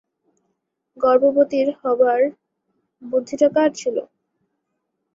গর্ভবতীর হবার বুদ্ধিটা কার ছিল?